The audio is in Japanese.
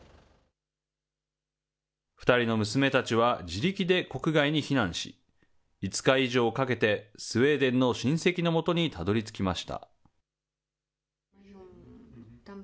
２人の娘たちは自力で国外に避難し、５日以上かけてスウェーデンの親戚のもとにたどりつきました。